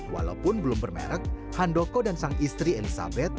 walaupun belum bermerek handoko dan sang istri elizabeth